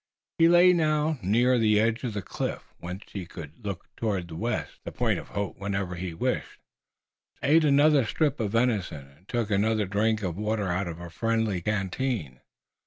He lay now near the edge of the cliff, whence he could look toward the west, the point of hope, whenever he wished, ate another strip of venison, and took another drink of water out of a friendly canteen.